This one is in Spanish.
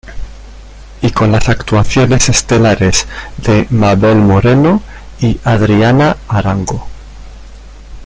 Y con las actuaciones estelares de Mabel Moreno y Adriana Arango.